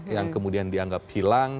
yang kemudian dianggap hilang